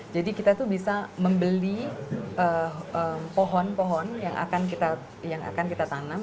jadi kita tuh bisa membeli pohon pohon yang akan kita tanam